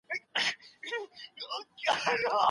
پانګه د توليدي سکتور د پراختيا لپاره اړينه ده.